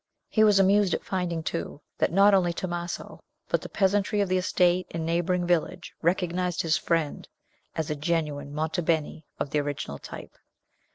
He was amused at finding, too, that not only Tomaso but the peasantry of the estate and neighboring village recognized his friend as a genuine Monte Beni, of the original type.